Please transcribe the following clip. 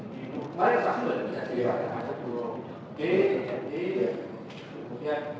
pada yang terakhir ada proses pembangunan